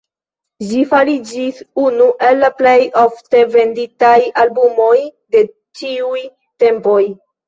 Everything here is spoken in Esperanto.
Ĝi fariĝis unu el la plej ofte venditaj albumoj de ĉiuj tempoj.